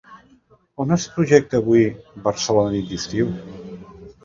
On es projecta avui "Barcelona, nit d'estiu"?